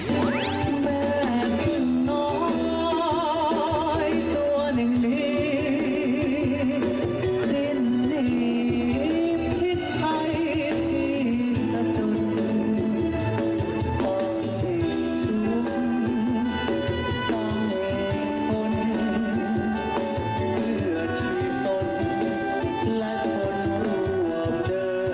ก็ไม่มีคนอื่นเพื่อชีวิตคนรักคนร่วมเดิม